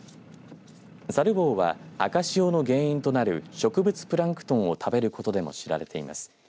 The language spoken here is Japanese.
サルボウは赤潮の原因となる植物プランクトンを食べることでも知られています。